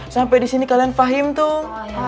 sampai disini kalian paham tuh